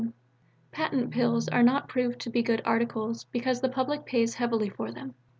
Patent pills are not proved to be good articles because the public pays heavily for them.